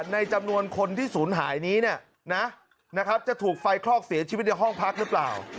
ในจำนวนคนที่ศูนย์หายนี้จะถูกไฟคลอกเสียชีวิตในห้องพักหรือเปล่า